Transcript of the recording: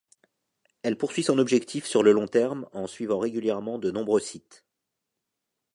Elle poursuit son objectif sur le long terme en suivant régulièrement de nombreux sites.